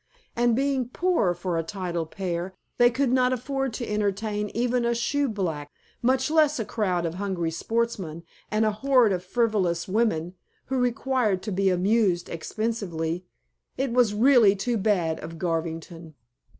And being poor for a titled pair, they could not afford to entertain even a shoeblack, much less a crowd of hungry sportsmen and a horde of frivolous women, who required to be amused expensively. It was really too bad of Garvington.